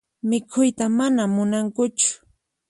Mikhuyta mana munankuchu.